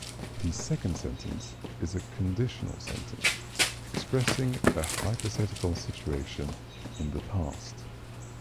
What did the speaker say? The second sentence is a conditional sentence expressing a hypothetical situation in the past.